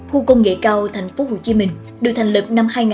khu công nghệ cao tp hcm được thành lập năm hai nghìn một mươi ba